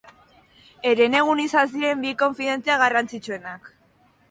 Herenegun izan ziren bi konferentzia garrantzitsuenak.